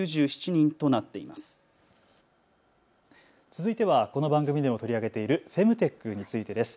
続いてはこの番組でも取り上げているフェムテックについてです。